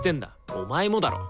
お前もだろ。